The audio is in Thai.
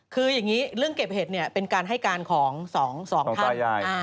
คืออย่างนี้เรื่องเก็บเห็ดเนี่ยเป็นการให้การของสองท่าน